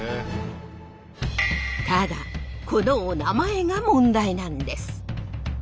ただこのおなまえが問題なんです。